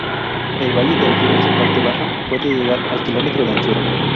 El valle del río en su parte baja puede llegar al kilómetro de anchura.